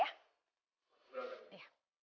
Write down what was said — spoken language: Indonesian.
yaudah yuk sama yang bawah ya